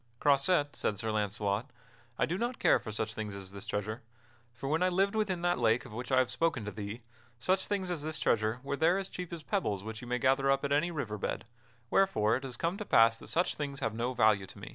"Croisette," said Sir Launcelot, "I do not care for such things as this treasure; for when I lived within that lake of which I have spoken to thee, such things as this treasure were there as cheap as pebbles which you may gather up at any river bed, wherefore it has come to pass that such things have no value to me."